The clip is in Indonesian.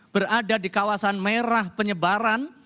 berada di kawasan merah penyebaran